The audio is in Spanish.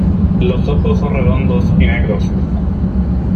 Los ojos son redondos y negros.